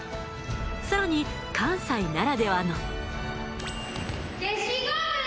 更に関西ならではの。